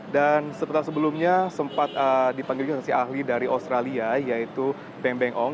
dan setelah sebelumnya sempat dipanggilkan saksi ahli dari australia yaitu beng beng ong